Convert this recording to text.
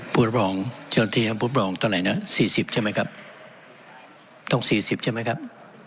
ผู้รับรองจะสมัครที่ผู้รับรองตอนหลัง๔๐ใช่ไหมครับ